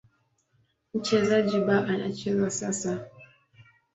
Mchezaji B anacheza sasa.